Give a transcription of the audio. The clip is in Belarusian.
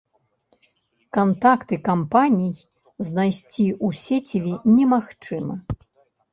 Кантакты кампаній знайсці у сеціве немагчыма.